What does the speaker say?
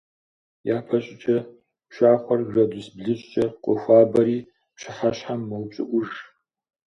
Япэщӏыкӏэ пшахъуэр градус блыщӏкӏэ къохуабэри, пщыхьэщхьэм мэупщӏыӏуж.